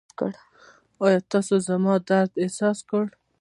ایا تاسو زما درد احساس کړ؟